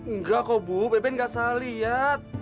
enggak kok bu beben gak salah lihat